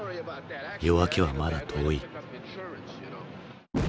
夜明けはまだ遠い。